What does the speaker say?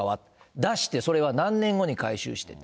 出してそれはそれが何年後に回収してと。